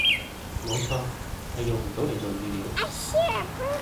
冇錯，係用唔到嚟做語料